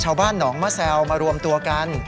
ชาวบ้านหนองมะแซวมารวมตัวกัน